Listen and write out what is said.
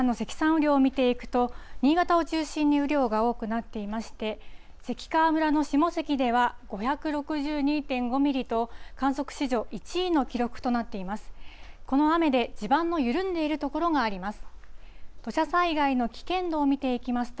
雨量を見ていくと、新潟を中心に雨量が多くなっていまして、関川村の下関では５６２．５ミリと、観測史上１位の記録となっています。